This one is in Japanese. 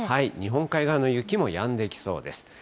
日本海側の雪もやんできそうです。